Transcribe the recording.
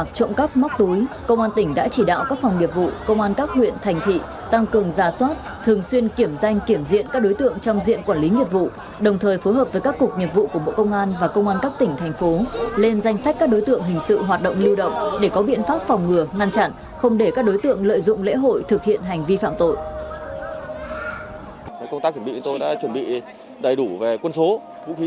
trong các mốc túi công an tỉnh đã chỉ đạo các phòng nghiệp vụ công an các huyện thành thị tăng cường gia soát thường xuyên kiểm danh kiểm diện các đối tượng trong diện quản lý nghiệp vụ đồng thời phối hợp với các cục nghiệp vụ của bộ công an và công an các tỉnh thành phố lên danh sách các đối tượng hình sự hoạt động lưu động để có biện pháp phòng ngừa ngăn chặn không để các đối tượng lợi dụng lễ hội thực hiện hành vi phạm tội